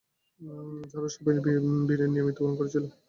যারা সবাই বীরের ন্যায় মৃত্যুবরণ করেছিল।